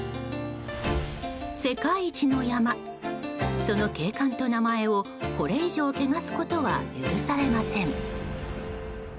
世界一の山、その景観と名前をこれ以上汚すことは許されません。